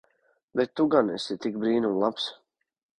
Bet tu gan esi tik brīnum labs.